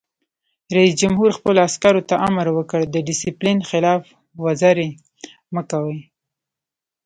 رئیس جمهور خپلو عسکرو ته امر وکړ؛ د ډسپلین خلاف ورزي مه کوئ!